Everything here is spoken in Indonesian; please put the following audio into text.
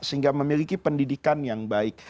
sehingga memiliki pendidikan yang baik